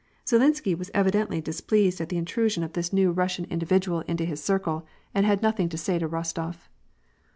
Zhilinsky was evidently displeased at the intrusion of this 144 WAR AND PEACE. new Kussiau individual into his circle, and had nothing to say to Rostof.